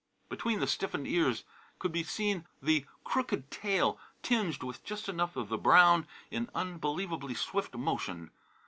Between the stiffened ears could be seen the crooked tail, tinged with just enough of the brown, in unbelievably swift motion.